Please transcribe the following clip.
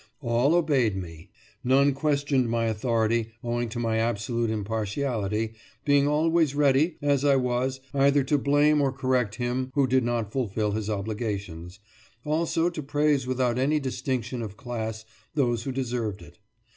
All obeyed me. None questioned my authority owing to my absolute impartiality, being always ready, as I was, either to blame or correct him who did not fulfil his obligations, also to praise without any distinction of class those who deserved it.